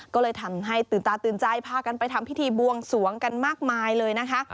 ก็เลยทำให้ตื่นตาตื่นใจพากันไปทำพิธีบวงสวงกันมากมายเลยนะคะ